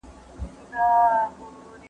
نازولینه